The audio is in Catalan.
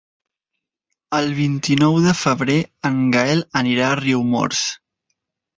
El vint-i-nou de febrer en Gaël anirà a Riumors.